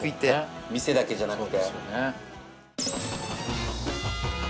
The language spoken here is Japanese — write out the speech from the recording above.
店だけじゃなくて。